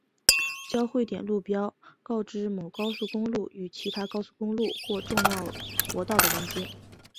交汇点路标告知某高速公路与其他高速公路或重要国道的连接。